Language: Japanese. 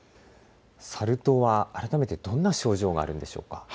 サル痘は改めてどんな症状があるのでしょうか。